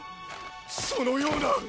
そのような！